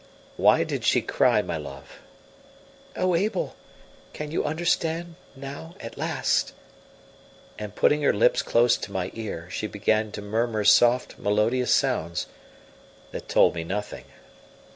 "Why did she cry, my love?" "Oh, Abel, can you understand now at last!" And putting her lips close to my ear, she began to murmur soft, melodious sounds that told me nothing.